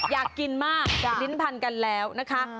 อยากกินมากลิ้นพันธุ์กันแล้วนะคะ